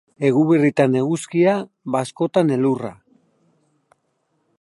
Eguberritan eguzkia, bazkotan elurra.